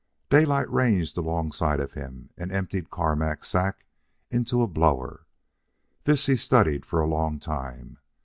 Daylight ranged alongside of him and emptied Carmack's sack into a blower. This he studied for a long time.